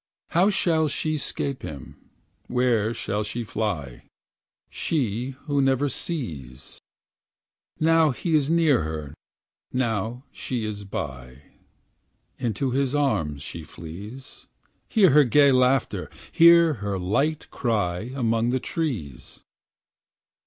How shall she 'scape him, where shall she fly. She who never sees ? Now he is near her, now she is by — Into his arms she flees. Hear her gay laughter, hear her light cry Among the trees